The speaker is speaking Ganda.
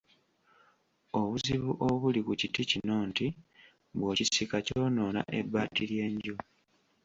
Obuzibu obuli ku kiti kino nti bw'okisika kyonoona ebbaati ly'enju.